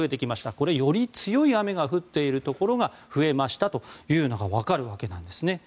これはより強い雨が降っているところが増えましたと分かるわけなんですね。